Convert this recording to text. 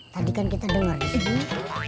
tadi kan kita denger di sini